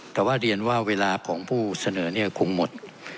แต่ว่าเรียนว่าเวลาของผู้เสนอเนี่ยคงหมด